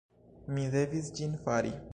Mi devis ĝin fari.